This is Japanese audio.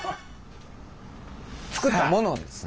作ったものをですね？